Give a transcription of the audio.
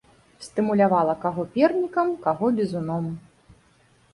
Стымулявала каго пернікам, каго бізуном.